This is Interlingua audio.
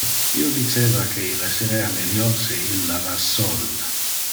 Io diceva que il esserea melior si illa va sol.